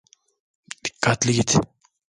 Dikkatli git.